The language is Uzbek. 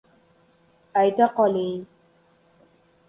— Ayta qo-li-i-ing.